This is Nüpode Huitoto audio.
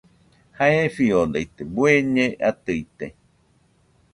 Jae fiodaite bueñe atɨite